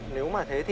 nếu mà thế thì